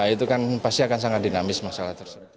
itu kan pasti akan sangat dinamis masalah tersebut